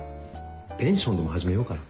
ペンションでも始めようかな。